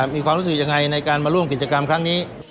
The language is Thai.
มีความรู้สึกยังไงในการมาร่วมกิจกรรมครั้งนี้